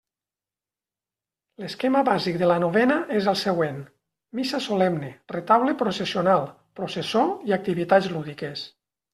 L'esquema bàsic de la novena és el següent: missa solemne, retaule processional, processó i activitats lúdiques.